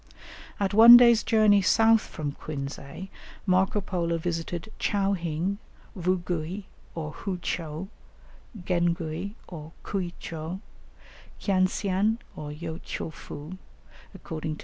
At one day's journey south from Quinsay, Marco Polo visited Chao hing, Vugui, or Hou tcheou, Ghengui or Kui tcheou, Cianscian or Yo tcheou fou (according to M.